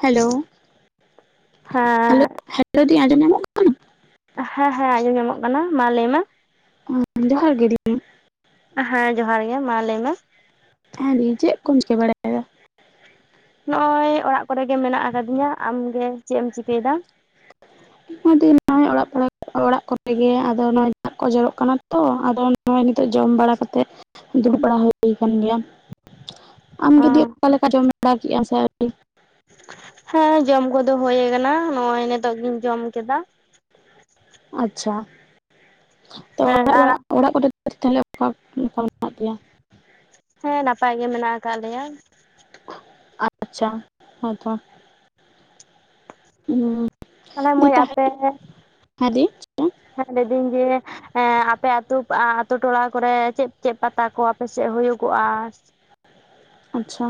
Hello ᱦᱮᱸ [inaudible] ᱫᱤ ᱟᱡᱚᱢ ᱧᱟᱢᱚᱜ ᱠᱟᱱᱟ? ᱦᱮᱸ ᱦᱮᱸ ᱟᱸᱡᱚᱢᱚᱜ ᱠᱟᱱᱟ ᱢᱟ ᱞᱟᱹᱭ ᱢᱮ ᱦᱩᱸ ᱡᱚᱦᱟᱨ ᱜᱮ ᱫᱤᱫᱤ ᱦᱮᱸ ᱡᱚᱦᱟᱨ ᱜᱮ ᱢᱟ ᱞᱟᱹᱭ ᱢᱮ ᱦᱮ ᱞᱟ. ᱭ ᱫᱤᱧ ᱪᱮᱫ ᱠᱚᱢ ᱪᱮᱠᱟ ᱵᱟᱲᱟᱭ ᱱᱚᱜᱼᱚᱭ ᱚᱲᱟᱜ ᱠᱚᱨᱮᱜᱮ ᱢᱮᱱᱟᱜ ᱟᱠᱟᱫᱤᱧᱟ ᱟᱢᱜᱮ ᱪᱮᱫ ᱮᱢ ᱪᱤᱠᱟᱹᱭᱮᱫᱟ? ᱱᱚᱜᱚᱭ ᱫᱤ ᱚᱲᱟᱜ ᱠᱚᱲᱮ ᱚᱲᱟᱜ ᱠᱚᱨᱮᱜᱮ ᱟᱫᱚᱜᱚᱭ ᱫᱟᱜ ᱠᱚ ᱡᱚᱨᱚᱜ ᱠᱟᱱᱟ ᱛᱚ ᱟᱫᱚ ᱱᱚᱜᱼᱚᱭ ᱱᱤᱛᱚᱜ ᱡᱚᱢ ᱵᱟᱲᱟ ᱠᱟᱛᱮᱜ ᱫᱩᱲᱩᱵ ᱵᱟᱲᱟ ᱦᱩᱭ ᱠᱟᱱ ᱜᱮᱭᱟ ᱟᱢ ᱚ ᱜᱮ ᱫᱤ ᱚᱠᱟᱮᱠᱟ ᱡᱚᱢ ᱵᱟᱲᱟ ᱠᱮᱫᱟ ᱥᱮ ᱟᱣᱨᱤ? ᱦᱮᱸ ᱡᱚᱢ ᱠᱚᱫᱚ ᱦᱳᱭ ᱟᱠᱟᱱᱟ ᱱᱚᱜᱼᱚᱭ ᱱᱤᱛᱚᱜ ᱜᱤᱧ ᱡᱚᱢ ᱠᱮᱫᱟ ᱟᱪᱪᱷᱟ ᱛᱚ ᱦᱮᱸ ᱟᱨ [inaudible] ᱚᱲᱟᱜ ᱠᱚ ᱨᱮ ᱛᱟᱦᱚᱞᱮ ᱚᱠᱟ ᱠᱚᱞ ᱠᱟᱜ ᱠᱮᱭᱟ ᱦᱮᱸ ᱱᱟᱯᱟᱭ ᱜᱮ ᱢᱮᱱᱟᱜ ᱟᱠᱟᱫ ᱞᱮᱭᱟ ᱟᱯ ᱪᱷᱟ ᱦᱮᱸ ᱛᱚ ᱩᱸ ᱛᱟᱦᱚᱞᱮ ᱫᱤ ᱢᱟᱹᱭ ᱛᱟᱦᱮ ᱟᱯᱮ ᱦᱮᱸ ᱫᱤ ᱦᱮᱸ ᱞᱟᱹᱭ ᱫᱤᱧ ᱡᱮ ᱮᱸ ᱟᱯᱮ ᱟᱹᱛᱩ ᱵᱟ ᱟᱛᱩ ᱴᱚᱞᱟ ᱠᱚᱨᱮ ᱪᱮᱫ ᱪᱮᱫ ᱯᱟᱛᱟ ᱠᱚ ᱟᱯᱮ ᱥᱮᱫ ᱦᱩᱭᱩᱠᱚᱜᱼᱟ? ᱟᱪᱪᱷᱟ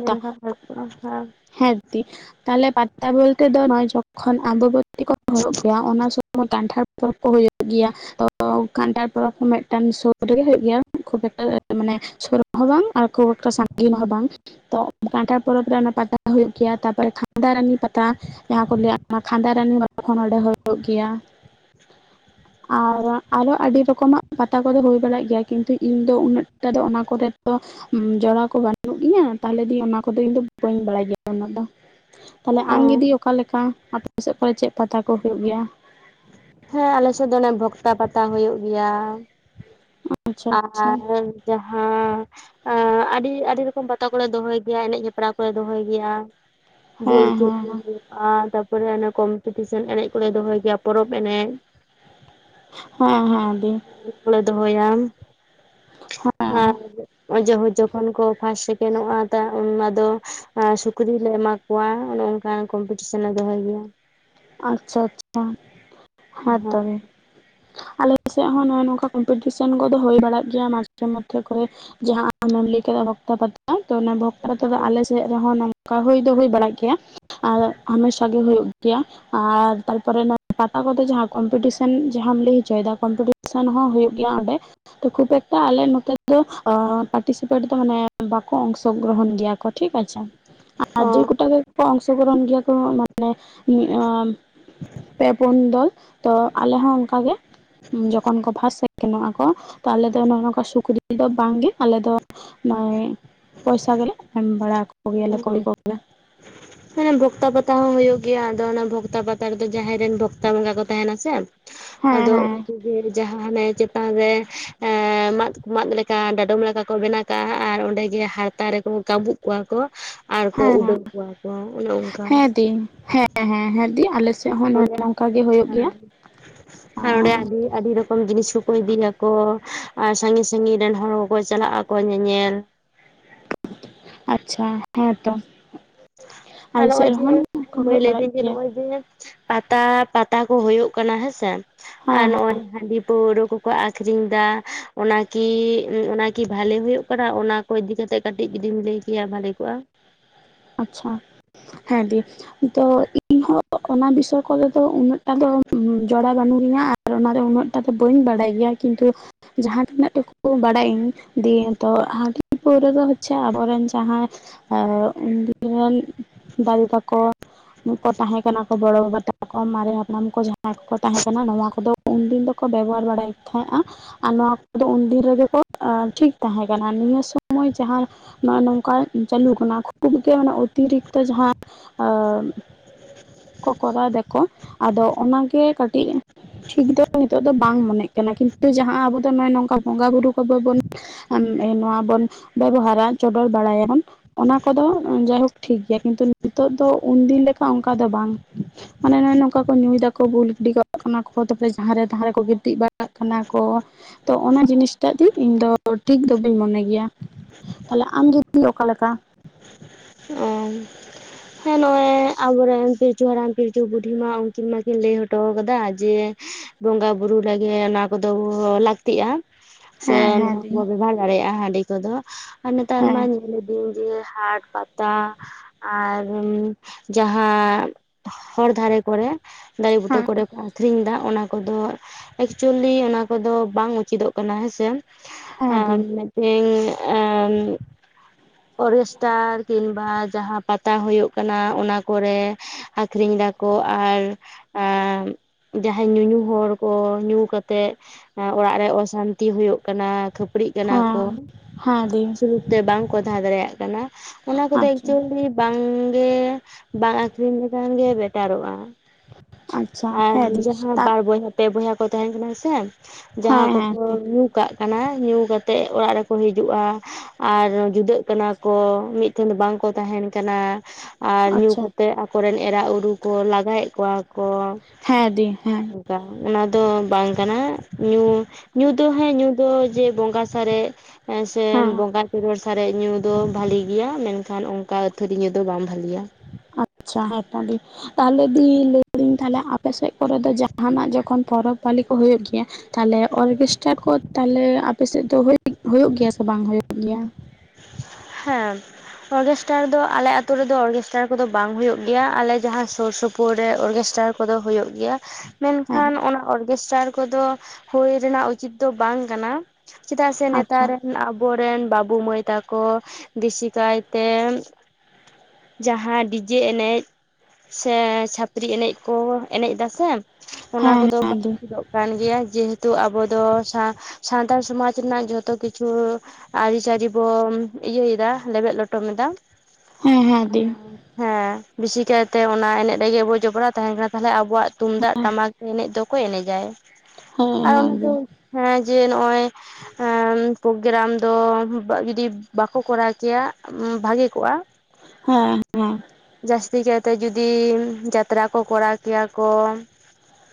ᱞᱟᱹᱭ ᱞᱮᱠᱷᱟᱱ ᱵᱷᱟᱹᱜᱤ ᱠᱚᱜᱼᱟ ᱦᱮᱸ ᱦᱮᱸ ᱫᱤ ᱛᱟᱦᱞᱮ ᱯᱟᱛᱟ ᱵᱚᱞᱛᱮ ᱫᱚ ᱱᱚᱭ ᱡᱚᱠᱷᱚᱱ ᱟᱢᱵᱟᱵᱚᱛᱤ ᱠᱚ ᱦᱩᱭᱩᱜ ᱜᱮᱭᱟ ᱚᱱᱟ ᱥᱚᱢᱚᱭ ᱠᱟᱱᱴᱷᱟᱲ ᱯᱚᱨᱚᱵᱽ ᱠᱚ ᱦᱩᱭᱩᱜ ᱜᱮᱭᱟ᱾ ᱛᱚ ᱠᱟᱱᱴᱷᱟᱲ ᱯᱚᱨᱚᱵᱽ ᱦᱚᱸ ᱢᱤᱫᱴᱟᱝ ᱥᱩᱨ ᱨᱮᱜᱮ ᱦᱳᱭᱳᱜ ᱜᱮᱭᱟ ᱠᱷᱩᱵ ᱮᱠᱴᱟ ᱢᱟᱱᱮ ᱥᱩᱨ ᱨᱮ ᱦᱚᱸ ᱵᱟᱝ ᱟᱨ ᱠᱷᱚᱵ ᱥᱟᱺᱜᱤᱧ ᱦᱚᱸ ᱵᱟᱝ ᱛᱚ ᱠᱟᱱᱴᱷᱟ ᱯᱚᱨᱚᱵᱽ ᱨᱮ ᱚᱱᱟ ᱯᱟᱛᱟ ᱦᱩᱭᱩᱜ ᱜᱮᱭᱟ ᱛᱟᱨᱯᱚᱨᱮ ᱠᱷᱟᱫᱟᱨᱟᱱᱤ ᱯᱟᱛᱟ ᱡᱟᱦᱟᱸ ᱠᱚ ᱞᱟᱹᱭᱟ ᱚᱱᱟ ᱠᱷᱟᱸᱫᱟᱨᱟᱱᱤ [inaudible] ᱚᱸᱰᱮ ᱦᱩᱭᱩᱜ ᱜᱮᱭᱟ᱾ ᱟᱨ ᱟᱨᱚ ᱟᱹᱰᱤ ᱨᱚᱠᱚᱢᱟᱜ ᱯᱟᱛᱟ ᱠᱚᱫᱚ ᱦᱩᱭ ᱵᱟᱲᱟᱜ ᱜᱮᱭᱟ ᱠᱤᱱᱛᱩ ᱤᱧ ᱫᱚ ᱩᱱᱟᱹᱜᱴᱟ ᱫᱚ ᱚᱱᱟ ᱠᱚᱨᱮ ᱫᱚ ᱩᱸ ᱡᱚᱨᱟ ᱠᱚ ᱵᱟᱹᱱᱩᱜ ᱜᱮᱧᱟ ᱛᱟᱦᱚᱞᱮ ᱫᱤ ᱚᱱᱟ ᱠᱚᱫᱚ ᱤᱧ ᱵᱟᱹᱧ ᱵᱟᱲᱟᱭ ᱜᱮᱭᱟ ᱩᱱᱟᱹᱜ ᱫᱚ ᱛᱟᱦᱮ ᱚ ᱟᱢᱜᱮ ᱫᱤ ᱚᱠᱟᱞᱮᱠᱟ ᱟᱯᱮ ᱥᱮᱫ ᱠᱚᱨᱮ ᱪᱮᱫ ᱯᱟᱛᱟ ᱠᱚ ᱦᱩᱭᱩᱜ ᱜᱮᱭᱟ? ᱦᱮᱸ ᱟᱞᱮᱥᱮᱫ ᱫᱚ ᱚᱱᱮ ᱵᱷᱚᱠᱛᱟ ᱯᱟᱛᱟ ᱦᱳᱭᱳᱜ ᱜᱮᱭᱟ ᱟᱪᱪᱷᱟ ᱟᱨ ᱟᱪᱪᱷᱟ ᱡᱟᱦᱟᱸ ᱮᱜ ᱮ ᱟᱹᱰᱤ ᱟᱹᱰᱤ ᱨᱚᱠᱚᱢ ᱯᱟᱛᱟ ᱠᱚᱞᱮ ᱫᱚᱦᱚᱭ ᱜᱮᱭᱟ ᱮᱱᱮᱡ ᱦᱮᱯᱨᱟᱣ ᱠᱚᱞᱮ ᱫᱚᱦᱚᱭ ᱜᱮᱭᱟ᱾ ᱦᱮᱸ ᱵᱚᱞᱪ ᱦᱮᱸ ᱦᱮᱸ [inaudible] ᱟᱨ ᱛᱟᱯᱚᱨᱮ ᱚᱱᱮ ᱠᱚᱢᱯᱤᱴᱤᱥᱚᱱ ᱮᱱᱮᱡ ᱠᱚᱞᱮ ᱫᱚᱦᱚᱭ ᱜᱮᱭᱟ ᱯᱚᱨᱚᱵᱽ ᱮᱱᱮᱡ ᱾ ᱦᱮᱸ ᱦᱮᱸ ᱫᱤ ᱾ ᱠᱚᱞᱮ ᱫᱚᱦᱚᱭᱟ, ᱦᱮᱸ ᱟᱨ ᱚᱡᱚᱜ ᱦᱚᱡᱚᱜ ᱛᱚᱠᱷᱚᱱ ᱠᱚ ᱯᱷᱟᱥᱴ ᱥᱮᱠᱮᱱᱰᱚᱜᱼᱟ ᱚᱱᱟ ᱫᱚ ᱥᱩᱠᱨᱤ ᱞᱮ ᱮᱢᱟ ᱠᱚᱣᱟ ᱚᱱᱮ ᱚᱸ [unintelligible] ᱠᱚᱢᱯᱤᱴᱤᱥᱚᱱ ᱞᱮ ᱫᱚᱦᱚᱭ ᱜᱮᱭᱟ ᱾ ᱟᱪᱪᱷᱟ ᱟᱪᱪᱷᱟ, ᱦᱮᱸ ᱛᱚᱵᱮ ᱾ ᱟᱞᱮ ᱥᱮᱫ ᱦᱚᱸ ᱱᱚᱜ-ᱚᱭ ᱱᱚᱝᱠᱟ ᱠᱚᱢᱯᱤᱴᱤᱥᱮᱱ ᱠᱚᱫᱚ ᱦᱩᱭ ᱵᱟᱲᱟᱜ ᱜᱮᱭᱟ ᱢᱟᱡᱷᱮ ᱢᱚᱫᱽᱫᱷᱮ ᱠᱚᱨᱮ ᱾ ᱡᱟᱦᱟᱸ ᱟᱢᱮᱢ ᱞᱟᱹᱭ ᱠᱮᱫᱟ ᱵᱷᱚᱠᱛᱟ ᱯᱟᱛᱟ, ᱛᱚ ᱚᱱᱟ ᱵᱷᱚᱠ ᱛᱟ ᱯᱟᱛᱟ ᱫᱚ ᱟᱞᱮ ᱥᱮᱫ ᱨᱮᱦᱚᱸ ᱱᱚᱝᱠᱟ ᱦᱳᱭ ᱫᱚ ᱦᱳᱭ ᱵᱟᱲᱟᱜ ᱜᱮᱭᱟ ᱟᱨ ᱦᱟᱢᱮᱥᱟ ᱜᱮ ᱦᱳᱭᱳᱜ ᱜᱮᱭᱟ ᱾ ᱟᱨ ᱛᱟᱨ ᱯᱚᱨᱮ ᱯᱟᱛᱟ ᱠᱚᱫᱚ ᱡᱟᱦᱟᱸ ᱠᱚᱢᱯᱤᱴᱤᱥᱮᱱ ᱡᱟᱦᱟᱸᱢ ᱞᱟᱹᱭ ᱦᱚᱪᱚᱭᱮᱫᱟ, ᱠᱚᱢᱯᱤ ᱥᱚᱱ ᱦᱚᱸ ᱦᱩᱭᱩᱜ ᱜᱮᱭᱟ ᱚᱸᱰᱮ ᱾ ᱛᱚ ᱠᱷᱩᱵ ᱮᱠᱴᱟ ᱟᱞᱮ ᱱᱚᱛᱮ ᱫᱚ ᱯᱟᱨᱴᱤᱥᱤᱯᱮᱴ ᱫᱚ ᱢᱟᱱᱮ ᱵᱟᱠᱚ ᱚᱝᱥᱚᱜᱨᱚᱦᱚᱱ ᱜᱮᱭᱟ ᱾ ᱴᱷᱤᱠ ᱟᱪᱷᱮ ᱟᱨ ᱚ ᱡᱮ ᱠᱚᱴᱟ ᱜᱮᱠᱚ ᱚᱝᱥᱚᱜᱨᱚᱦᱚᱱ ᱜᱮᱭᱟ ᱠᱚ ᱢᱟᱱᱮ ᱯᱮ ᱯᱩᱱ ᱫᱚᱞ, ᱛᱚ ᱟᱞᱮ ᱦᱚᱸ ᱚᱱᱠᱟ ᱜᱮ ᱾ ᱡᱚᱠᱷᱚᱱ ᱠᱚ ᱯᱷᱟᱥ ᱥᱮᱠᱮᱱᱚᱜ ᱟᱠᱚ ᱛᱚ ᱟᱞᱮ ᱫᱚ ᱱᱚᱜ-ᱚ ᱱᱚᱝᱠᱟ ᱥᱩᱠᱨᱤ ᱫᱚ ᱵᱟᱝᱜᱮ ᱟᱞᱮ ᱫᱚ ᱱᱚᱜ-ᱚᱭ ᱯᱚᱭᱥᱟ ᱜᱮᱞᱮ ᱮᱢ ᱵᱟᱲᱟ ᱠᱚᱜᱮᱭᱟᱞᱮ ᱠᱚᱭ ᱠᱚ ᱜᱮᱭᱟ ᱾ ᱦᱮ ᱚᱱᱮ ᱵᱷᱚᱠᱛᱟ ᱯᱟᱛᱟ ᱦᱚᱸ ᱦᱩᱭᱩᱜ ᱜᱮᱭᱟ ᱟᱫᱚ ᱚᱱᱟ ᱵᱷᱚᱠᱛᱟ ᱯᱟᱛᱟ ᱨᱮᱫᱚ ᱡᱟᱦᱟᱭ ᱨᱮᱱ ᱵᱷᱚᱠᱛᱟ ᱵᱚᱸᱜᱟ ᱠᱚ ᱛᱟᱦᱮᱱᱟ ᱥᱮ ᱟᱫᱚ ᱦᱮᱸ ᱩᱱᱠᱩ ᱜᱮ ᱡᱟᱦᱟᱸ ᱦᱟᱱᱮ ᱪᱮ ᱛᱟᱱ ᱨᱮ ᱮᱸ ᱢᱟᱫ ᱢᱟᱫ ᱞᱮᱠᱟ ᱰᱟᱰᱚᱢ ᱞᱮᱠᱟ ᱠᱚ ᱵᱮᱱᱟᱣ ᱠᱟᱜᱼᱟ ᱟᱨ ᱚᱸᱰᱮ ᱜᱮ ᱦᱟᱨᱛᱟ ᱨᱮᱠᱚ ᱠᱟᱹᱵᱩᱜ ᱠᱚᱣᱟ ᱠᱚ ᱟᱨ ᱠᱚ ᱦᱮᱸ ᱦᱮᱸ ᱩᱰᱟᱹᱣ ᱠᱚᱣᱟ ᱠᱚ, ᱚᱱᱮ ᱚᱱᱠᱟ ᱾ ᱦᱮᱸ ᱫᱤ ᱦᱮᱸ ᱦᱮᱸ, ᱦᱮᱸ ᱫᱤ ᱟᱞᱮᱥᱮᱫ ᱦᱚᱸ ᱱᱚ ᱚᱸᱰᱮ ᱱᱚᱝᱠᱟ ᱜᱮ ᱦᱩᱭᱩᱜ ᱜᱮᱭᱟ ᱾ ᱚᱸᱰᱮ ᱟᱨ ᱟᱹᱰᱤ ᱟᱹᱰᱤ ᱨᱚᱠᱚᱢ ᱡᱤᱱᱤᱥ ᱠᱚᱠᱚ ᱤᱫᱤᱭᱟᱠᱚ ᱟᱨ ᱥᱟᱺᱜᱤᱧ ᱥᱟᱺᱜᱤᱧ ᱨᱮᱱ ᱦᱚᱲ ᱦᱚᱠᱚ ᱪᱟᱞᱟᱜ ᱟᱠᱚ ᱧᱮ ᱧᱮᱞ ᱾ ᱟᱪᱪᱷᱟ ᱦᱮᱸ ᱛᱚ ᱾ ᱟᱨ ᱱᱚᱜᱼᱚᱭ ᱡᱮᱸ ᱢᱟᱹᱭ ᱜᱚᱡ ᱞᱟᱹᱭ ᱵᱟᱲᱟᱜ ᱫᱟᱹᱧ ᱡᱮ ᱜᱮᱭᱟ ᱱᱚᱜᱼᱚᱭ ᱡᱮ ᱯᱟᱛᱟ, ᱯᱟᱛᱟ ᱠᱚ ᱦᱩᱭᱩᱜ ᱠᱟᱱᱟ ᱦᱮᱸᱥᱮ ᱦᱮᱸ ᱟᱨ ᱦᱮᱸ ᱱᱚᱜᱼᱚᱭ ᱦᱟᱺᱰᱤ ᱯᱟᱹᱣᱨᱟᱹ ᱠᱚ ᱠᱚ ᱟᱠᱷᱨᱤᱧ ᱫᱟ ᱚᱱᱟᱠᱤ, ᱚᱱᱟᱠᱤ ᱵᱷᱟᱞᱮ ᱦᱩᱭᱩᱜ ᱠᱟᱱᱟ ᱚᱱᱟ? ᱠᱚ ᱤᱫᱤ ᱠᱟᱛᱮᱜ ᱠᱟᱹᱴᱤᱡ ᱡᱩᱫᱤᱢ ᱞᱟᱹᱭ ᱠᱮᱭᱟ ᱵᱷᱟᱹᱜᱮ ᱠᱚᱜᱼᱟ ᱾ ᱟᱪᱪᱷᱟ, ᱦᱮᱸ ᱫᱤ ᱛᱚ ᱤᱧ ᱦᱚᱸ ᱚᱱᱟ ᱵᱤᱥᱚᱭ ᱠᱚᱨᱮ ᱫᱚ ᱩᱱᱟᱹᱜ ᱴᱟ ᱫᱚ ᱡᱚᱲᱟᱣ ᱵᱟᱹᱱᱩᱜ ᱞᱤᱧᱟ ᱟᱨ ᱚᱱᱟ ᱫᱚ ᱩᱱᱟᱹᱜ ᱴᱟ ᱫᱚ ᱵᱟᱹᱧ ᱵᱟᱲᱟᱭ ᱜᱮᱭᱟ ᱾ ᱠᱤᱱᱛᱩ ᱡᱟᱦᱟᱸ ᱛᱤᱱᱟᱹᱜ ᱴᱩᱠᱩ ᱵᱟᱲᱟᱭ ᱤᱧ ᱫᱤᱭᱮ ᱛᱚ ᱦᱟᱺᱰᱤ ᱯᱟᱹᱣᱨ ᱫᱚ ᱦᱚᱪᱷᱮ ᱟᱵᱚᱨᱮᱱ ᱡᱟᱦᱟᱸᱭ ᱟᱨ ᱩᱱ ᱨᱮᱱ ᱫᱟᱨᱮ ᱛᱟᱠᱚ ᱩᱱ ᱠᱚ ᱛᱟᱦᱮᱸ ᱠᱟᱱᱟ ᱠᱚ ᱵᱚᱲᱚ ᱵᱟᱵᱟ ᱛᱟᱠᱚ ᱢᱟᱨᱮ ᱦᱟᱯ ᱥᱟᱱᱟᱢ ᱠᱚ ᱡᱟᱦᱟᱸᱭ ᱠᱚᱠᱚ ᱛᱟᱦᱮᱸ ᱠᱟᱱᱟ ᱱᱚᱣᱟ ᱠᱚᱫᱚ ᱩᱱᱫᱤᱱ ᱫᱚᱠᱚ ᱵᱮᱵᱚᱦᱟᱨ ᱵᱟᱲᱟᱭᱮᱫ ᱛᱟᱦᱮᱸᱫᱼᱟ ᱾ ᱟᱨ ᱱᱚᱣᱟ ᱠᱚᱫᱚ ᱩᱱᱫᱤᱱ ᱨᱮᱜᱮ ᱠᱚ ᱴᱷᱤᱠ ᱛᱟᱦᱮᱸ ᱠᱟᱱᱟ ᱱᱤᱭᱟᱹ ᱥᱚᱢᱚᱭ ᱡᱟᱦᱟᱸ ᱱᱚᱜ-ᱚ ᱱᱚᱝᱠᱟ ᱪᱞᱩ ᱠᱟᱱᱟ ᱠᱷᱩᱵ ᱜᱮ ᱢᱟᱱᱮ ᱚᱛᱤᱨᱤᱠ ᱛᱚ ᱡᱟᱦᱟ ᱟᱸᱼᱼ ᱠᱚ ᱠᱚᱨᱟᱣ ᱫᱟᱠᱚ ᱟᱫᱚ ᱚᱱᱟᱜᱮ ᱠᱟᱹᱴᱤᱡ ᱴᱷᱤᱠ ᱫᱚ ᱱᱤᱛᱚᱜ ᱫᱚ ᱵᱟᱝ ᱢᱚᱱᱮᱜ ᱠᱟᱱᱟ ᱠᱤᱱᱛᱩ ᱡᱟᱦᱟᱸ ᱟᱵᱚ ᱫᱚ ᱱᱚᱭ ᱱᱚᱝᱠᱟ ᱵᱚᱸᱜᱟ ᱵᱩᱨᱩ ᱠᱚ ᱵᱟ ᱵᱚᱱ ᱟᱢ ᱮᱸ ᱱᱚᱣᱟ ᱵᱚᱱ ᱵᱮᱵᱚᱦᱟᱨᱟ ᱪᱚᱰᱚᱨ ᱵᱟᱲᱟᱭᱟᱢ ᱠᱚᱫᱚ ᱡᱟᱭᱦᱳᱠ ᱴᱷᱤᱠ ᱜᱮᱭᱟ, ᱠᱤᱱᱛᱩ ᱱᱤᱛᱚᱜ ᱫᱚ ᱩᱱᱫᱤᱱ ᱞᱮᱠᱟ ᱚᱱᱠᱟ ᱫᱚ ᱵᱟᱝ ᱾ ᱢᱟᱱᱮ ᱱᱚᱜᱼᱚᱭ ᱱᱚᱝᱠᱟ ᱠᱚ ᱧᱩᱭ ᱫᱟᱠᱚ ᱵᱩᱞ ᱜᱤᱰᱤ ᱠᱚᱜ ᱠᱟᱱᱟ ᱠᱚ ᱛᱟᱨᱯᱚᱨᱮ ᱡᱟᱦᱟᱸᱨᱮ ᱛ ᱨᱮᱠᱚ ᱜᱤᱛᱤᱡ ᱵᱟᱲᱟᱜ ᱠᱟᱱᱟ ᱠᱚ ᱾ ᱛᱚ ᱚᱱᱟ ᱡᱤᱱᱤᱥᱴᱟᱜ ᱫᱤ ᱤᱧ ᱫᱚ ᱴᱷᱤᱠ ᱫᱚ ᱵᱟᱹᱧ ᱢᱚᱱᱮ ᱜᱮᱭᱟ ᱾ ᱛᱟᱦᱞᱮ ᱟᱢ ᱫᱚ ᱫᱤ ᱚᱠᱟ ᱞᱮᱠᱟ? ᱮᱸᱝ ᱦᱮᱸ ᱱᱚᱜ-ᱚᱭ ᱟᱵᱚ ᱨᱮᱱ ᱯᱤᱞᱪᱩ ᱦᱟᱲᱟᱢ ᱯᱤᱞᱪᱩ ᱵᱩᱰᱷᱤ ᱢᱟ ᱩᱱᱠᱤᱱ ᱢᱟᱠᱤᱱ ᱞᱟᱹᱭ ᱦᱚᱴᱚ ᱟᱠᱟᱫᱟ ᱡᱮ ᱵᱚᱸᱜᱟ ᱵᱩᱨᱩ ᱞᱟᱹᱜᱤᱫ ᱚᱱᱟ ᱠᱚᱫᱚ ᱞᱟᱠ ᱛᱤᱜᱼᱟ ᱥᱮ ᱦᱮᱸ ᱦᱮᱸ ᱱᱚᱣᱟ ᱫᱤ ᱠᱚᱵᱚ ᱵᱮᱵᱚᱦᱟᱨ ᱫᱟᱲᱮᱭᱟᱜᱼᱟ ᱦᱟᱺᱰᱤ ᱠᱚᱫᱚ ᱾ ᱟᱨ ᱱᱮᱛᱟᱨ ᱢᱟ ᱦᱮᱸ ᱧᱮᱞ ᱤᱫᱟᱹᱧ ᱡᱮ ᱦᱟᱴ, ᱯᱟᱛ ᱛᱟ ᱟᱨ ᱡᱟᱦᱟᱸ ᱦᱚᱨ ᱫᱷᱟᱨᱮ ᱠᱚᱨᱮ ᱫᱟᱨᱮ ᱵᱩᱴᱟᱹ ᱦᱮᱸ ᱠᱚᱨᱮ ᱠᱚ ᱟᱠᱷᱨᱤᱧ ᱫᱟ ᱚᱱᱟ ᱠᱚᱫᱚ ᱮᱠᱪᱩᱭᱮᱞᱤ ᱚᱱᱟ ᱠᱚᱫᱚ ᱵᱟᱝ ᱩᱪᱤᱛᱚᱜ ᱠᱟᱱᱟ ᱦᱮᱸᱥᱮ ᱾ ᱦᱮᱸ ᱫᱤ ᱟᱸ ᱤᱧ ᱮᱢ ᱚᱨᱮᱥᱴᱟᱨ ᱠᱤᱢᱵᱟ ᱡᱟᱦᱟᱸ ᱯᱟᱛᱟ ᱦᱳᱭᱳᱜ ᱠᱟᱱᱟ ᱚᱱᱟ ᱠᱚᱨᱮ ᱟᱠᱷᱨᱤᱧ ᱫᱟᱠᱚ ᱟᱨ ᱮᱸ ᱡᱟᱦᱟᱸᱭ ᱧᱩ-ᱧᱩ ᱦᱚᱲ ᱠᱚ ᱧᱩ ᱠᱟᱛᱮᱜ ᱚᱲᱟᱜ ᱨᱮ ᱚᱥᱟᱱᱛᱤ ᱦᱩᱭᱩᱜ ᱠᱟᱱᱟ, ᱠᱷᱟᱹᱯ ᱨᱤᱜ ᱠᱟᱱᱟ ᱠᱚ ᱦᱮᱸ ᱦᱮᱸ ᱫᱤ ᱥᱩᱞᱩᱠ ᱛᱮ ᱵᱟᱝ ᱠᱚ ᱛᱟᱦᱮᱸ ᱫᱟᱲᱮᱭᱟᱜ ᱠᱟᱱᱟ ᱾ ᱚᱱᱟ ᱠᱚᱫᱚ ᱟᱪᱪᱷᱟ ᱮᱠᱪᱩᱭᱮᱞᱤ ᱵᱟᱝ ᱜᱮ ᱵᱟᱝ ᱟᱠᱷᱨᱤᱧ ᱞᱮᱠᱷᱟᱱ ᱜᱮ ᱵᱮᱴᱟᱨᱚᱜᱼᱟ। ᱟᱪᱪᱷᱟ ᱟᱨ ᱦᱮᱸ ᱫᱤ ᱡᱟᱦᱟᱸ ᱛᱟ ᱵᱟᱨ ᱵᱚᱭᱦᱟ ᱼᱼ ᱯᱮ ᱵᱚᱭᱦᱟ ᱠᱚ ᱛᱟᱦᱮᱱ ᱠᱟᱱᱟ ᱥᱮ, ᱡᱟᱦᱟᱸ ᱦᱮᱸ ᱦᱮᱸ ᱠᱚᱠᱚ ᱫᱤ ᱧᱩ ᱼᱼ ᱠᱟᱜ ᱠᱟᱱᱟ ᱾ ᱧᱩ ᱠᱟᱛᱮᱫ ᱚᱲᱟᱜ ᱨᱮᱠᱚ ᱦᱤᱡᱩᱜᱼᱟ ᱟᱨ ᱡᱩᱫᱟᱹᱜ ᱠᱟᱱᱟ ᱠᱚ, ᱢᱤᱫ ᱼᱼ ᱴᱷᱮᱱ ᱫᱚ ᱵᱟᱝ ᱠᱚ ᱛᱟᱦᱮᱱ ᱠᱟᱱᱟ ᱾ ᱟᱨ ᱧᱩ ᱟᱪᱪᱷᱟ ᱠᱟᱛᱮ ᱟᱠᱚ ᱨᱮᱱ ᱮᱨᱟ ᱩᱨᱩ ᱠᱚ ᱞᱟᱜᱟᱭᱮᱫ ᱠᱚᱣᱟ ᱠᱚ। ᱦᱮᱸ ᱫᱤ ᱦᱮᱸ ᱾ ᱚᱱᱠᱟ, ᱚᱱᱟ ᱫᱚ ᱵᱟᱝ ᱠᱟᱱᱟ ᱧᱩ ᱧᱩ ᱫᱚ ᱦᱮᱸ ᱧᱩ ᱫᱚ ᱡᱮ ᱵᱚᱸᱜᱟ ᱥᱟᱨᱮᱡ ᱦᱮᱸ ᱥᱮ ᱵᱚᱸᱜᱟ ᱪᱤᱨᱚᱲ ᱥᱟᱨᱮᱡ ᱧᱩ ᱫᱚ ᱵᱷᱟᱞᱤ ᱜᱮᱭᱟ ᱾ ᱢᱮᱱᱠᱷᱟᱱ ᱚᱱᱠᱟ ᱟᱹᱛᱷᱟᱹᱨᱤ ᱧᱩ ᱫᱚ ᱵᱟᱝ ᱵᱷᱟᱹᱞᱤᱭᱟ। ᱟᱪᱪᱷᱟ ᱦᱮᱸ [unintelligible] ᱛᱚ ᱫᱤ ᱾ ᱛᱟᱦᱟᱞᱮ ᱫᱤ ᱞᱟᱹᱭᱫᱟᱹᱧ ᱛᱟᱦᱟᱞᱮ ᱟᱯᱮᱥᱮᱫ ᱠᱚᱨᱮ ᱫᱚ ᱡᱟᱦᱟᱱᱟᱜ ᱡᱚᱠᱷᱚᱱ ᱯᱚᱨᱚᱵᱽ ᱯᱟᱹᱞᱤ ᱠᱚ ᱦᱩᱭᱩᱜ ᱜᱮᱭᱟ ᱛᱟᱦᱟᱞᱮ ᱚᱨᱜᱮᱥᱴᱟᱨ ᱠᱚ ᱛᱟᱦᱟᱞᱮ ᱟᱯᱮ ᱥᱮᱫ ᱫᱚ ᱦᱩᱭᱩᱜ ᱦᱩᱭᱩᱜ ᱜᱮᱭᱟ ᱥᱮ ᱵᱟᱝ ᱦᱩᱭᱩᱜ ᱜᱮᱭᱟ? ᱦᱮᱸ ᱾ ᱚᱨᱠᱮᱥᱴᱟᱨ ᱫᱚ ᱟᱞᱮ ᱟᱛᱩ ᱨᱮᱫᱚ ᱚᱨᱠᱮᱥᱴᱟᱨ ᱠᱚᱫᱚ ᱵᱟᱝ ᱦᱩᱭᱩᱜ ᱜᱮᱭᱟ᱾ ᱟᱞᱮ ᱡᱟᱦᱟᱸ ᱥᱩᱨ ᱥᱳᱯ ᱼᱼ ᱯᱳᱨ ᱨᱮ ᱚᱨᱠᱮᱥᱴᱟᱨ ᱠᱚᱫᱚ ᱦᱳᱭᱳᱜ ᱜᱮᱭᱟ ᱾ ᱦᱮᱸ ᱢᱮᱱᱠᱷᱟᱱ ᱚᱱᱟ ᱚᱨᱠᱮᱥᱴᱟᱨ ᱠᱚᱫᱚ ᱦᱳᱭ ᱨᱮᱱᱟᱜ ᱩᱪᱤᱛ ᱫᱚ ᱵᱟᱝ ᱠᱟᱱᱟ। ᱪᱮᱫᱟᱜ ᱥᱮ ᱱᱮᱛᱟᱨ ᱟᱪᱪᱷᱟ ᱨᱮᱱ ᱟᱵᱚᱨᱮᱱ ᱵᱟᱹᱵᱩ ᱢᱟᱹᱭ ᱼᱼ ᱛᱟᱠᱚ ᱵᱮᱥᱤ ᱠᱟᱭᱛᱮ ᱡᱟᱦᱟᱸᱭ ᱰᱤᱡᱮ ᱮᱱᱮᱡ, ᱥᱮ ᱪᱷᱟᱹᱯᱨᱤ ᱮᱱᱮᱡ ᱠᱚ ᱮᱱᱮᱡ ᱮᱫᱟ ᱥᱮ ᱚᱱᱟ ᱦᱮᱸ ᱠᱚᱫᱚ ᱦᱮᱸ ᱵᱟᱝ ᱫᱤ ᱩᱪᱤᱫᱚᱜ ᱼᱼ ᱠᱟᱱ ᱜᱮᱭᱟ᱾ ᱡᱮᱦᱮᱛᱩ ᱟᱵᱚ ᱫᱚ ᱥᱟᱸ ᱥᱟᱱᱛᱟᱲ ᱥᱚᱢᱟᱡᱽ ᱨᱮᱱᱟᱜ ᱡᱚᱛᱚ ᱠᱤᱪᱷᱩ ᱟᱹᱨᱤᱪᱟᱹᱞᱤ ᱵᱚᱱ ᱤᱭᱟᱹᱭᱮᱫᱟ, ᱞᱮᱵᱮᱫ ᱞᱚᱴᱚᱢ ᱮᱫᱟ ᱦᱮᱸ ᱦᱮᱸ ᱾ ᱫᱤ ᱟᱨ ᱼᱼ ᱦᱮᱸ ᱵᱮᱥᱤ ᱠᱟᱭᱛᱮ ᱚᱱᱟ ᱮᱱᱮᱡ ᱨᱮᱜᱮ ᱵᱚ ᱡᱚᱯᱚᱲᱟᱣ ᱛᱟᱦᱮᱱ ᱠᱟᱱᱟ᱾ ᱛᱟᱦᱟᱞᱮ ᱟᱵᱚᱣᱟᱜ ᱛᱩᱢᱫᱟᱜ ᱴᱟᱢᱟᱠ ᱛᱮ ᱮᱱᱮᱡ ᱫᱚ ᱚᱠᱚᱭ ᱮᱱᱮᱡᱟᱭ? ᱦᱮᱸ ᱟᱨ ᱦᱮᱸ ᱚᱱᱟ ᱫᱤ ᱫᱚ ᱼᱼ ᱦᱮᱸ ᱡᱮ ᱱᱚᱜᱼᱚᱭ ᱮᱸ ᱯᱨᱳᱜᱨᱟᱢ ᱫᱚ [inaudible] ᱡᱩᱫᱤ ᱵᱟᱠᱚ ᱠᱚᱨᱟᱣ ᱠᱮᱭᱟ ᱵᱷᱟᱜᱮ ᱠᱚᱜᱼᱟ᱾ ᱦᱮᱸ ᱦᱮᱸ ᱾ ᱡᱟᱹᱥᱛᱤ ᱠᱟᱭᱛᱮ ᱡᱩᱫᱤ ᱡᱟᱛᱨᱟ ᱠᱚ ᱠᱚᱨᱟᱣ ᱠᱮᱭᱟ ᱠᱚ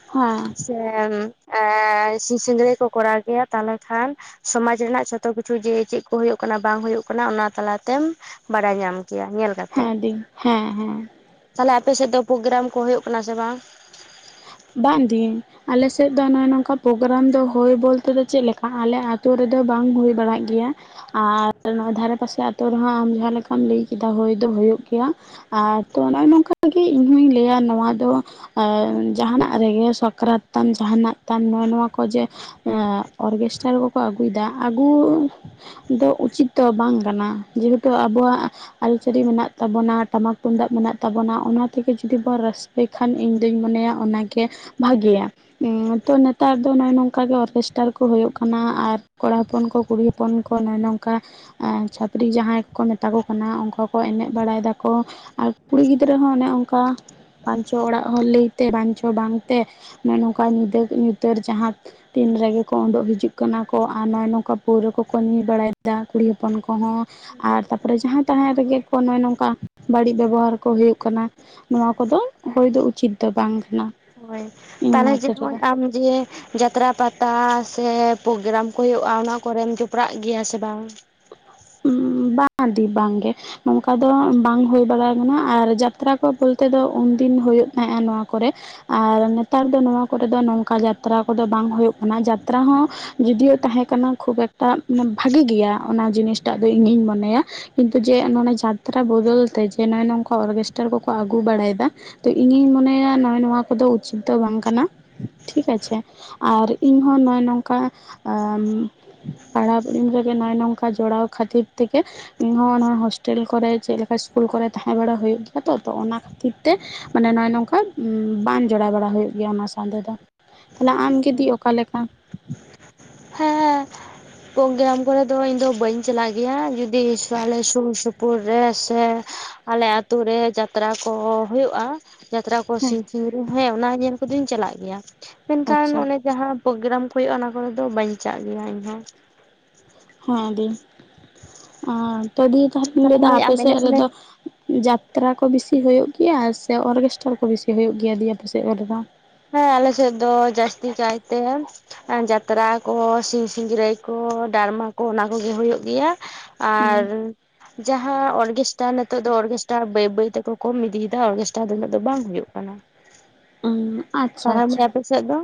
ᱦᱮᱸ ᱾ ᱦᱮᱢ ᱮᱸ ᱥᱤᱧ ᱥᱤᱸᱜᱨᱟᱹᱭ ᱠᱚ ᱠᱚᱨᱟᱣ ᱠᱮᱭᱟ ᱛᱟᱦᱟᱞᱮ ᱠᱷᱟᱱ ᱥᱚᱢᱟᱡ ᱨᱮᱭᱟᱜ ᱡᱷᱚᱛᱚ ᱠᱤᱪᱷᱩ ᱡᱮ ᱪᱮᱫ ᱠᱚ ᱦᱩᱭᱩᱜ ᱠᱟᱱᱟ ᱵᱟᱝ ᱦᱩᱭᱩᱜ ᱠᱟᱱᱟ, ᱚᱱᱟ ᱛᱟᱞᱟ ᱛᱮᱢ ᱵᱟᱲᱟᱭ ᱧᱟᱢ ᱠᱮᱭᱟ, ᱧᱮᱞ ᱦᱮᱸ ᱫᱤ, ᱦᱮᱸ ᱦᱮᱸ ᱾ ᱛᱟᱦᱟᱞᱮ ᱟᱯᱮ ᱥᱮᱫ ᱫᱚ ᱯᱨᱳᱜᱨᱟᱢ ᱠᱚ ᱦᱩᱭᱩᱜ ᱠᱟᱱᱟ ᱥᱮ ᱵᱟᱝ? ᱵᱟᱝ ᱫᱤᱧ, ᱟᱞᱮ ᱥᱮᱫ ᱫᱚ ᱱᱚᱜᱼᱚᱭ ᱱᱚᱝᱠᱟ ᱯᱨᱳᱜᱨᱟᱢ ᱫᱚ ᱦᱩᱭ ᱵᱚᱞᱛᱮ ᱫᱚ ᱪᱮᱫ ᱞᱮᱠᱟ ᱟᱞᱮ ᱟᱛᱳ ᱨᱮᱫᱚ ᱵᱟᱝ ᱦᱩᱭ ᱵᱟᱲᱟᱜ ᱜᱮᱭᱟ। ᱟᱨ ᱱᱚᱣᱟ ᱫᱷᱟᱨᱮ ᱯᱟᱥᱮ ᱟᱛᱳ ᱨᱮᱦᱚᱸ ᱟᱢ ᱡᱟᱦᱟᱸ ᱞᱮᱠᱟᱢ ᱞᱟᱹᱭ ᱠᱮᱫᱟ ᱦᱳᱭ ᱫᱚ ᱦᱳᱭᱳᱜ ᱜᱮᱭᱟ। ᱟᱨ ᱛᱚ ᱱᱚᱜᱼᱚ ᱱᱚᱝᱠᱟ ᱜᱮ ᱤᱧ ᱦᱩᱧ ᱞᱟᱹᱭᱟ ᱱᱚᱣᱟ ᱫᱚ ᱮ ᱼᱼ ᱡᱟᱦᱟᱱᱟᱜ ᱨᱮᱜᱮ ᱥᱟᱠᱨᱟᱛ ᱛᱟᱢ, ᱡᱟᱦᱟᱱᱟᱜ ᱛᱟᱢ, ᱱᱚᱜᱼᱚᱭ ᱱᱚᱣᱟ ᱠᱚ ᱡᱮ ᱼᱼ ᱮᱸ ᱚᱨᱠᱮᱥᱴᱟᱨ ᱠᱚᱠᱚ ᱟᱹᱜᱩᱭᱮᱫᱟ, ᱟᱹᱜᱩ ᱼᱼ ᱫᱚ ᱩᱪᱤᱛ ᱫᱚ ᱵᱟᱝ ᱠᱟᱱᱟ᱾ ᱡᱮᱦᱮᱛᱩ ᱟᱵᱚᱣᱟᱜ ᱼᱼ ᱟᱹᱨᱤᱪᱟᱹᱞᱤ ᱢᱮᱱᱟᱜ ᱛᱟᱵᱚᱱᱟ, ᱴᱟᱢᱟᱠ ᱛᱩᱢᱫᱟᱜ ᱢᱮᱱᱟᱜ ᱛᱟᱵᱚᱱᱟ, ᱚᱱᱟ ᱛᱮᱜᱮ ᱡᱩᱫᱤ ᱵᱚᱱ ᱨᱟᱹᱥᱠᱟᱹᱭ ᱠᱷᱟᱱ ᱤᱧ ᱫᱩᱧ ᱢᱚᱱᱮᱭᱟ ᱼᱼ ᱚᱱᱟᱜᱮ ᱵᱷᱟᱜᱮᱭᱟ। ᱩᱸ ᱛᱚ ᱱᱮᱛᱟᱨ ᱫᱚ ᱱᱚᱜᱼᱭ ᱱᱚᱝᱠᱟ ᱜᱮ ᱚᱨᱠᱮᱥᱴᱟᱨ ᱠᱚ ᱦᱩᱭᱩᱜ ᱠᱟᱱᱟ᱾ ᱟᱨ ᱠᱚᱲᱟ ᱦᱚᱯᱚᱱ ᱠᱚ ᱠᱩᱲᱤ ᱦᱚᱯᱚᱱ ᱠᱚ ᱱᱚᱜ-ᱚᱭ ᱱᱚᱝᱠᱟ ᱮᱸ ᱪᱷᱟᱹᱯᱨᱤ ᱡᱟᱦᱟᱸᱭ ᱠᱚ ᱢᱮᱛᱟ ᱠᱚ ᱠᱟᱱᱟ ᱚᱱᱠᱟ ᱠᱚ ᱮᱱᱮᱡ ᱵᱟᱲᱟᱭ ᱫᱟᱠᱚ ᱟᱨ ᱠᱩᱲᱤ ᱜᱤᱫᱽᱨᱟᱹ ᱦᱚᱸ ᱚᱱᱮ ᱚᱱᱠᱟ ᱵᱟᱝᱪᱚ ᱚᱲᱟᱜ ᱦᱚᱲ ᱞᱟᱹᱭ ᱛᱮ ᱵᱟᱧᱪᱚ ᱵᱟᱝᱛᱮ ᱢᱮᱱ ᱱᱚᱝᱠᱟ ᱧᱤᱫᱟᱹ ᱧᱛᱟᱹᱨ ᱡᱟᱦᱟᱸ ᱛᱤᱱ ᱨᱮᱜᱮ ᱠᱚ ᱩᱰᱩᱜ ᱦᱤᱡᱩᱜ ᱠᱟᱱᱟ ᱠᱚ᱾ ᱟᱨ ᱱᱚᱜᱼᱚᱭ ᱱᱚᱝᱠᱟ ᱯᱟᱹᱣᱨᱟᱹ ᱠᱚᱠᱚ ᱧᱩᱭ ᱵᱟᱲᱟᱭᱮᱫᱟ ᱠᱩᱲᱤ ᱦᱚᱯᱚᱱ ᱠᱚᱦᱚᱸ। ᱟᱨ ᱛᱟᱨᱯᱚᱨᱮ ᱡᱟᱦᱟᱸ ᱛᱟᱦᱮᱸ ᱨᱮᱜᱮ ᱛᱚ ᱱᱚᱜ-ᱚᱭ ᱱᱚᱝᱠᱟ ᱵᱟᱹᱲᱤᱡ ᱵᱮᱵᱚᱦᱟᱨ ᱠᱚ ᱦᱩᱭᱩᱜ ᱠᱟᱱᱟ᱾ ᱱᱚᱣᱟ ᱠᱚᱫᱚ ᱦᱳᱭ ᱫᱚ ᱩᱪᱤᱛ ᱫᱚ ᱵᱟᱝ ᱠᱟᱱᱟ᱾ ᱦᱳᱭ ᱤᱧ ᱛᱟᱦᱚᱞᱮ ᱢᱚᱛ ᱨᱮᱫᱚ ᱡᱮᱢᱚᱱ ᱟᱢ ᱡᱮ, ᱡᱟᱛᱨᱟ ᱯᱟᱛᱟ ᱥᱮ ᱯᱨᱳᱜᱽᱜᱨᱟᱢ ᱠᱚ ᱦᱩᱭᱩᱜᱼᱟ ᱚᱱᱟ ᱠᱚᱨᱮᱢ ᱡᱚᱯᱲᱟᱜ ᱜᱮᱭᱟ ᱥᱮ ᱵᱟᱝ? ᱵᱟᱝ ᱫᱤ ᱵᱟᱝᱜᱮ, ᱱᱚᱝᱠᱟ ᱫᱚ ᱵᱟᱝ ᱦᱩᱭ ᱵᱟᱲᱟ ᱠᱟᱱᱟ ᱟᱨ ᱡᱟᱛᱨᱟ ᱠᱚ ᱵᱚᱞᱛᱮ ᱫᱚ ᱩᱱᱫᱤᱱ ᱦᱩᱭᱩᱜ ᱛᱟᱦᱮᱫᱼᱟ ᱱᱚᱣᱟ ᱠᱚᱨᱮ, ᱟᱨ ᱱᱮᱛᱟᱨ ᱫᱚ ᱱᱚᱣᱟ ᱠᱚᱨᱮ ᱫᱚ ᱱᱚᱝᱠᱟ ᱡᱟᱛᱨᱟ ᱠᱚᱫᱚ ᱵᱟᱝ ᱦᱩᱭᱩᱜ ᱠᱟᱱᱟ ᱡᱟᱛᱨᱟ ᱦᱚᱸ, ᱡᱳᱫᱤᱭᱳ ᱛᱟᱦᱮᱸ ᱠᱟᱱᱟ ᱠᱷᱩᱵ ᱮᱠᱴᱟ ᱵᱷᱟᱹᱜᱤ ᱜᱮᱭᱟ ᱚᱱᱟ ᱡᱤᱱᱤᱥᱴᱟᱜ ᱫᱚ ᱤᱧᱤᱧ ᱢᱚᱱᱮᱭᱟ᱾ ᱠᱤᱱᱛᱩ ᱡᱮ ᱱᱚᱜ-ᱚᱭ ᱡᱟᱛᱨᱟ ᱵᱚᱫᱚᱞ ᱛᱮ ᱡᱮ ᱱᱚᱜᱼᱚᱭ ᱱᱚᱝᱠᱟ ᱚᱨᱜᱮᱥᱴᱟᱨ ᱠᱚᱠᱚ ᱟᱹᱜᱩ ᱵᱟᱲᱟᱭᱮᱫᱟ, ᱛᱚ ᱤᱧᱤᱧ ᱢᱚᱱᱮᱭᱟ ᱱᱚᱜᱼᱚᱭ ᱱᱚᱣᱟ ᱠᱚᱫᱚ ᱩᱪᱤᱛ ᱫᱚ ᱵᱟᱝ ᱠᱟᱱᱟ ᱴᱷᱤᱠ ᱟᱪᱷᱮ, ᱟᱨ ᱤᱧᱦᱚᱸ ᱱᱚᱜᱼᱚᱭ ᱱᱚᱝᱠᱟ, ᱯᱚᱨᱚᱵᱽ ᱨᱮᱜᱮ ᱱᱚᱜᱼᱚᱭ ᱱᱚᱝᱠᱟ ᱡᱚᱲᱟᱣ ᱠᱷᱟᱹᱛᱤᱨ ᱛᱮᱜᱮ, ᱤᱧ ᱦᱚᱸ ᱱᱚᱣᱟ ᱦᱳᱥᱴᱮᱞ ᱠᱚᱨᱮ ᱪᱮᱫ ᱞᱮᱠᱟ ᱤᱥᱠᱩᱞ ᱠᱚᱨᱮ ᱛᱟᱦᱮᱸ ᱵᱟᱲᱟ ᱦᱩᱭᱩᱜ ᱜᱮᱭᱟ ᱛᱚ ᱚᱱᱟ ᱠᱷᱟᱹᱛᱤᱨ ᱛᱮ, ᱢᱟᱱᱮ ᱱᱚᱜᱼᱚᱭ ᱱᱚᱝᱠᱟ ᱵᱟᱝ ᱡᱚᱲᱟᱣ ᱵᱟᱲᱟ ᱦᱩᱭᱩᱜ ᱜᱮᱭᱟ ᱚᱱᱟ ᱥᱟᱶᱛᱮ ᱫᱚ᱾ ᱛᱟᱦᱞᱮ ᱟᱢᱜᱮ ᱫᱤ ᱚᱠᱟ ᱞᱮᱠᱟ? ᱦᱮᱸ ᱯᱨᱳᱜᱽᱜᱨᱟᱢ ᱠᱚᱨᱮ ᱫᱚ ᱤᱧ ᱫᱚ ᱵᱟᱹᱧ ᱪᱟᱞᱟᱜ ᱜᱮᱭᱟ ᱡᱩᱫᱤ ᱟᱞᱮ ᱥᱩᱨ ᱥᱩᱯᱩᱨ ᱨᱮ ᱥᱮ, ᱟᱞᱮ ᱟᱛᱩ ᱨᱮ ᱡᱟᱛᱨᱟ ᱠᱚ ᱦᱳᱭᱳᱜ-ᱟ, ᱡᱟᱛᱨᱟ ᱠᱚ ᱦᱮᱸ ᱥᱤᱧᱥᱤᱸᱜᱨᱟ. ᱭ ᱦᱮᱸ ᱚᱱᱟ ᱧᱮᱞ ᱠᱚᱫᱚᱧ ᱪᱟᱞᱟᱜ ᱜᱮᱭᱟ ᱢᱮᱱᱠᱷᱟᱱ ᱟᱪᱪᱷᱟ ᱚᱱᱮ, ᱡᱟᱦᱟᱸ ᱯᱨᱳᱜᱽᱜᱨᱟᱢ ᱠᱚ ᱦᱩᱭᱩᱜᱼᱟ ᱚᱱᱟ ᱠᱚᱨᱮ ᱫᱚ ᱵᱟ. ᱧ ᱪᱟᱞᱟᱜ ᱜᱮᱭᱟ ᱤᱧᱦᱚᱸ᱾ [inaudible] ᱦᱮᱸ ᱫᱤ ᱛᱚ ᱫᱤ ᱛᱟᱦᱚᱞᱮᱧ ᱞᱟᱹᱭ ᱛᱟᱦᱚᱞᱮ ᱮᱫᱟ ᱢᱟᱹᱭ ᱟᱯᱮ ᱟᱢ ᱥᱮᱫ ᱮᱱᱮᱡ ᱨᱮᱫᱚ, ᱥᱮᱨᱮᱧ ᱡᱟᱛᱨᱟ ᱠᱚ ᱵᱮᱥᱤ ᱦᱩᱭᱩᱜ ᱜᱮᱭᱟ ᱥᱮ ᱚᱨᱜᱮᱥᱴᱟᱨ ᱠᱚ ᱵᱮᱥᱤ ᱦᱳᱭᱳᱜ ᱜᱮᱭᱟ ᱫᱤ ᱟᱯᱮ ᱥᱮᱫ ᱠᱚᱨᱮᱫᱚ? ᱦᱮᱸ ᱟᱞᱮ ᱥᱮᱫ ᱫᱚ ᱡᱟᱹᱥᱛᱤ ᱠᱟᱭᱛᱮ, ᱡᱟᱛᱨᱟ ᱠᱚ ᱥᱤᱧ ᱥᱤᱝᱨᱟᱹᱭ ᱠᱚ ᱰᱨᱟᱢᱟ ᱠᱚ ᱚᱱᱟ ᱠᱚᱜᱮ ᱦᱩᱭᱩᱜ ᱜᱮᱭᱟ᱾ ᱟᱨ, ᱡᱟᱦᱟᱸ ᱚᱨᱜᱮᱥᱴᱟᱨ ᱱᱤᱛᱚᱜ ᱫᱚ ᱚᱨᱜᱮᱥᱴᱟᱨ ᱵᱟᱹᱭ ᱵᱟᱹᱭ ᱛᱮᱠᱚ ᱠᱚᱢ ᱤᱫᱤᱭᱮᱫᱟ ᱚᱨᱜᱮᱥᱴᱟᱨ ᱫᱚ ᱩᱱᱟᱹᱜ ᱫᱚ ᱵᱟᱝ ᱦᱳᱭᱳᱜ ᱠᱟᱱᱟ᱾ ᱟᱸ [inaudible] ᱟᱯᱮ ᱥᱮᱫ ᱫᱚ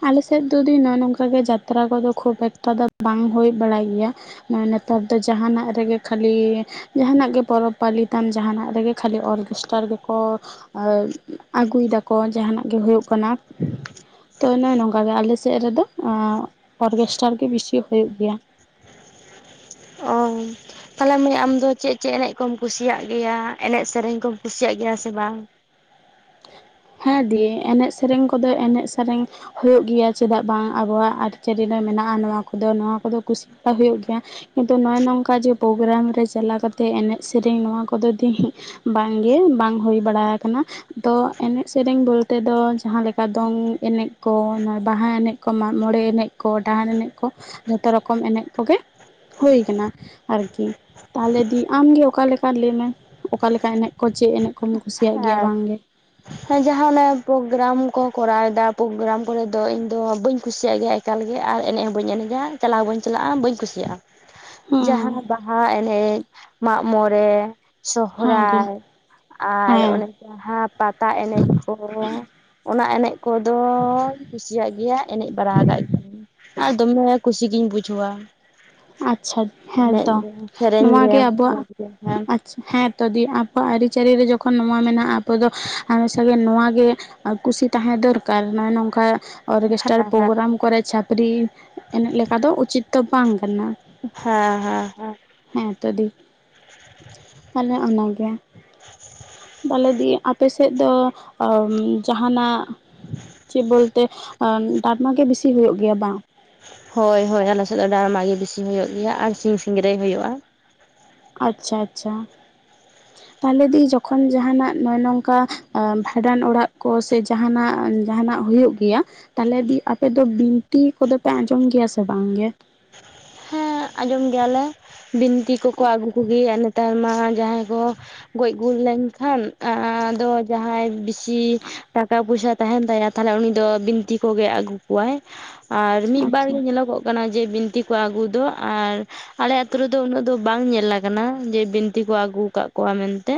ᱦ ᱟᱞᱮ ᱥᱮᱫ ᱫᱚ ᱫᱤ ᱱᱚᱜᱼᱚᱭ ᱱᱚᱝᱠᱟ ᱜᱮ ᱡᱟᱛᱨᱟ ᱠᱚᱫᱚ ᱠᱷᱩᱵ ᱮᱠᱴᱟ ᱫᱚ ᱵᱟᱝ ᱦᱳᱭ ᱵᱟᱲᱟᱜ ᱜᱮᱭᱟ᱾ ᱱᱮᱛᱟᱨ ᱫᱚ ᱡᱟᱦᱟᱱᱟᱜ ᱨᱮᱜᱮ ᱠᱷᱟᱹᱞᱤ ᱡᱟᱸᱦᱟᱸᱱᱟᱜ ᱜᱮ ᱯᱚᱨᱚᱵ ᱯᱟᱹᱞᱤ ᱛᱟᱢ ᱡᱟᱸᱦᱟᱸᱱᱟᱜ ᱨᱮᱜᱮ ᱠᱷᱟᱹᱞᱤ ᱚᱨᱜᱮᱥᱴᱟᱨ ᱜᱮᱠᱚ ᱟᱹ ᱟᱹᱜᱩᱭ ᱫᱟᱠᱚ ᱡᱟᱸᱦᱟᱸᱱᱟᱜ ᱜᱮ ᱦᱩᱭᱩᱜ ᱠᱟᱱᱟ᱾ ᱛᱚ ᱱᱚᱜᱼᱚᱭ ᱱᱚᱝᱠᱟ ᱜᱮ ᱟᱞᱮ ᱥᱮᱫ ᱨᱮᱫᱚ ᱟᱸ ᱚᱨᱜᱮᱥᱴᱟᱨ ᱜᱮ ᱵᱮᱥᱤ ᱦᱳᱭᱳᱜ ᱜᱮᱭᱟ᱾ ᱚ᱾ ᱛᱟᱦᱚᱞᱮ ᱢᱟᱹᱭ ᱟᱢ ᱫᱚ ᱪᱮᱫ ᱪᱮᱫ ᱮᱱᱮᱡ ᱠᱚᱢ ᱠᱩᱥᱤᱭᱟᱜ ᱜᱮᱭᱟ ᱮᱱᱮᱡ ᱥᱮᱨᱮᱧ ᱠᱚᱢ ᱠᱩᱥᱤᱭᱟᱜ ᱜᱮᱭᱟ ᱥᱮ ᱵᱟᱝ? ᱦᱮᱸ ᱫᱤ ᱮᱱᱮᱡ ᱥᱮᱨᱮᱧ ᱠᱚᱫᱚ ᱮᱱᱮᱡ ᱥᱮᱨᱮᱧ ᱦᱩᱭᱩᱜ ᱜᱮᱭᱟ ᱪᱮᱫᱟᱜ ᱵᱟᱝ ᱟᱵᱚᱣᱟᱜ ᱟᱹᱨᱤᱪᱟᱹᱞᱤ ᱨᱮ ᱢᱮᱱᱟᱜᱼᱟ ᱱᱚᱣᱟ ᱠᱚᱫᱚ ᱱᱚᱣᱟ ᱠᱚᱫᱚ ᱠᱩᱥᱤ ᱢᱟ ᱦᱩᱭᱩᱜ ᱜᱮᱭᱟ᱾ ᱠᱤᱱᱛᱩ ᱱᱚᱜᱼᱚᱭ ᱱᱚᱝᱠᱟ ᱡᱮ ᱯᱨᱳᱜᱜᱨᱟᱢ ᱨᱮ ᱪᱟᱞᱟᱣ ᱠᱟᱛᱮ ᱮᱱᱮᱡ ᱥᱮᱨᱮᱧ ᱱᱚᱣᱟ ᱠᱚᱫᱚ ᱫᱤ ᱵᱟᱝᱜᱮ ᱵᱟᱝ ᱦᱩᱭ ᱵᱟᱲᱟ ᱠᱟᱱᱟ ᱛᱚ ᱮᱱᱮᱡ ᱥᱮᱨᱮᱧ ᱵᱚᱞᱛᱮ ᱫᱚ ᱡᱟᱦᱟᱸ ᱞᱮᱠᱟ ᱫᱚᱝ ᱮᱱᱮᱡ ᱠᱚ ᱵᱟᱦᱟ ᱮᱱᱮᱡ ᱠᱚ ᱢᱟᱜ ᱢᱚᱬᱮ ᱮᱱᱮᱡ ᱠᱚ ᱰᱟᱦᱟᱨ ᱮᱱᱮᱡ ᱠᱚ ᱡᱷᱚᱛᱚ ᱨᱚᱠᱚᱢ ᱮᱱᱮᱡ ᱠᱚᱜᱮ ᱦᱩᱭ ᱠᱟᱱᱟ ᱟᱨᱠᱤ᱾ ᱛᱟᱦᱚᱞᱮ ᱫᱤ ᱟᱢᱜᱮ ᱚᱠᱟ ᱞᱮᱠᱟ ᱞᱟᱹᱭᱢᱮ ᱚᱠᱟ ᱞᱮᱠᱟ ᱮᱱᱮᱡ ᱠᱚ ᱪᱮᱫ ᱮᱱᱮᱡ ᱠᱚᱢ ᱠᱩᱥᱤᱭᱟᱜ ᱜᱮᱭᱟ ᱵᱟᱝ ᱜᱮ? ᱦᱮᱸ ᱡᱟᱦᱟᱸ ᱚᱱᱟ ᱯᱨᱳᱜᱽᱜᱨᱟᱢ ᱠᱚ ᱠᱚᱨᱟᱣ ᱮᱫᱟ ᱯᱨᱳᱜᱽᱜᱨᱟᱢ ᱠᱚᱨᱮ ᱫᱚ ᱤᱧ ᱫᱚ ᱵᱟᱹᱧ ᱠᱩᱥᱤᱭᱟᱜ ᱜᱮᱭᱟ ᱮᱠᱟᱞ ᱜᱮ, ᱟᱨ ᱮᱱᱮᱡ ᱦᱚᱸ ᱵᱟᱹᱧ ᱮᱱᱮᱡᱟ ᱪᱟᱞᱟᱣ ᱵᱟᱹᱧ ᱪᱟᱞᱟᱜᱼᱟ ᱵᱟᱹᱧ ᱠᱩᱥᱤᱭᱟᱜᱼᱟ᱾ ᱡᱟᱦᱟᱸ ᱦᱩᱸ ᱵᱟᱦᱟ ᱮᱱᱮᱡ ᱢᱟᱜ ᱢᱚᱬᱮ ᱦᱮᱸ ᱫᱤ ᱥᱚᱦᱨᱟᱭ ᱟᱨ ᱦᱮᱸ ᱚᱱᱮ ᱡᱟᱸᱦᱟᱸ ᱯᱟᱛᱟ ᱮᱱᱮᱡ ᱠᱚ ᱚᱱᱟ ᱮᱱᱮᱡ ᱠᱚᱫᱚᱧ ᱠᱩᱥᱤᱭᱟᱜ ᱜᱮᱭᱟ ᱮᱱᱮᱡ ᱵᱟᱲᱟ ᱠᱟᱜ ᱜᱤᱭᱟᱹᱧ᱾ ᱟᱨ ᱫᱚᱢᱮ ᱠᱩᱥᱤ ᱜᱤᱧ ᱵᱩᱡᱷᱟᱹᱣᱟ᱾ ᱟᱪᱪᱷᱟ ᱮᱱᱮᱡ ᱦᱮᱸᱛᱚ ᱜᱮᱭᱟᱢ ᱥᱮᱨᱮᱧ ᱱᱚᱣᱟᱜᱤ ᱜᱮᱭᱟᱢ ᱢᱚᱡᱽ ᱜᱮ ᱦᱮᱸ ᱟᱵᱚᱣᱟᱜ ᱦᱮᱸᱛᱚ ᱫᱤ ᱟᱵᱚᱣᱟᱜ ᱟᱹᱨᱤᱪᱟᱹᱞᱤ ᱨᱮ ᱡᱚᱠᱷᱚᱱ ᱱᱚᱣᱟ ᱢᱮᱱᱟᱜᱼᱟ ᱟᱵᱚ ᱫᱚ ᱟᱨ ᱥᱮ ᱱᱚᱣᱟᱜᱮ ᱟᱨ ᱠᱩᱥᱤ ᱛᱟᱦᱮᱸ ᱫᱚᱨᱠᱟᱨ ᱱᱚᱭ ᱱᱚᱝᱠᱟ ᱚᱨᱜᱮᱥᱴᱟᱨ ᱦᱮᱸ ᱦᱮᱸ ᱯᱨᱳᱜᱨᱟᱢ ᱠᱚᱨᱮ ᱪᱷᱟᱯᱨᱤ ᱮᱱᱮᱡ ᱞᱮᱠᱟ ᱫᱚ ᱩᱪᱤᱛ ᱫᱚ ᱵᱟᱝ ᱠᱟᱱᱟ᱾ ᱦᱮᱸ ᱦᱮᱸ ᱦᱮᱸ᱾ ᱦᱮᱸ ᱛᱚ ᱫᱤ᱾ ᱛᱟᱦᱞᱮ ᱚᱱᱟᱜᱮ ᱛᱟᱞᱮ ᱫᱤ ᱟᱯᱮ ᱥᱮᱫ ᱫᱚ ᱡᱟᱸᱦᱟᱸᱱᱟᱜ ᱪᱮᱫ ᱵᱚᱞᱛᱮ ᱰᱟᱨᱢᱟ ᱜᱮ ᱵᱤᱥᱤ ᱦᱩᱭᱩᱜ ᱜᱮᱭᱟ ᱵᱟᱝ? ᱦᱳᱭ ᱦᱳᱭ ᱟᱞᱮᱥᱮᱫ ᱫᱚ ᱰᱟᱨᱢᱟ ᱜᱮ ᱵᱤᱥᱤ ᱦᱩᱭᱩᱜ ᱜᱮᱭᱟ ᱟᱨ ᱥᱤᱧ ᱥᱤᱝᱨᱟᱹᱭ ᱦᱩᱭᱩᱜᱼᱟ᱾ ᱟᱪᱪᱷᱟ ᱟᱪᱪᱷᱟ᱾ ᱛᱟᱦᱚᱞᱮ ᱫᱤ ᱡᱚᱠᱷᱚᱱ ᱡᱟᱸᱦᱟᱸᱱᱟᱜ ᱱᱚᱭ ᱱᱚᱝᱠᱟ ᱵᱷᱟᱸᱰᱟᱱ ᱚᱲᱟᱜ ᱠᱚ ᱥᱮ ᱡᱟᱸᱦᱟᱸᱱᱟᱜ ᱡᱟᱸᱦᱟᱸᱱᱟᱜ ᱦᱩᱭᱩᱜᱜᱮᱭᱟ ᱛᱟᱦᱚᱞᱮ ᱫᱤ ᱟᱯᱮ ᱫᱚ ᱵᱤᱱᱛᱤ ᱠᱚᱫᱚ ᱯᱮ ᱟᱸᱡᱚᱢ ᱜᱮᱭᱟ ᱥᱮ ᱵᱟᱝ ᱜᱮ? ᱦᱮᱸ ᱟᱸᱡᱚᱢ ᱜᱮᱭᱟᱞᱮ ᱵᱤᱱᱛᱤ ᱠᱚᱠᱚ ᱟᱹᱜᱩ ᱠᱚᱜᱮᱭᱟ ᱚᱱᱮ ᱱᱮᱛᱟᱨ ᱢᱟ ᱡᱟᱦᱟᱸᱭ ᱠᱚ ᱜᱚᱡ ᱜᱩᱨ ᱞᱮᱱᱠᱷᱟᱱ ᱟᱫᱚ ᱡᱟᱦᱟᱸᱭ ᱵᱤ ᱥᱤ ᱴᱟᱠᱟ ᱯᱚᱭᱥᱟ ᱛᱟᱦᱮᱸᱱ ᱛᱟᱭᱟ ᱛᱟᱦᱚᱞᱮ ᱩᱱᱤ ᱫᱚ ᱵᱤᱱᱛᱤ ᱠᱚᱜᱮ ᱟᱹᱜᱩ ᱠᱚᱣᱟᱭ, ᱟᱨ ᱢᱤᱫ ᱵᱟᱨ ᱟᱪᱪᱷᱟ ᱜᱮ ᱧᱮᱞᱚᱜᱚᱜ ᱠᱟᱱᱟ ᱡᱮ ᱵᱤᱱᱛᱤ ᱠᱚ ᱟᱹᱜᱩ ᱫᱚ ᱟᱨ ᱟᱞᱮ ᱟᱛᱳ ᱨᱮᱫᱚ ᱩᱱᱟᱹᱜ ᱫᱚ ᱵᱟᱝ ᱧᱮᱞ ᱟᱠᱟᱱᱟ ᱡᱮ ᱵᱤᱱᱛᱤ ᱠᱚ ᱟᱹᱜᱩᱠᱟᱜ ᱠᱚᱣᱟ ᱢᱮᱱᱛᱮ